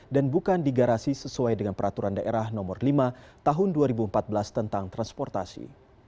dan bukan di garasi sesuai dengan peraturan daerah nomor lima tahun dua ribu empat belas tentang transportasi